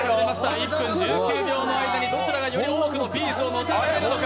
１分１９秒の間にどちらがより多くのビーズをのせられるのか。